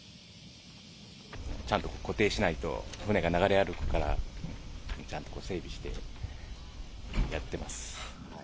ちゃんと固定しないと、船が流れるから、ちゃんと整備してやってます。